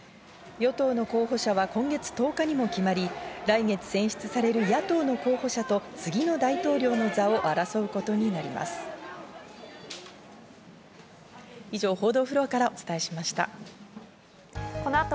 与党の候補者は今月１０日にも決まり、来月選出される野党の候補者と次の大統領の座を争うこと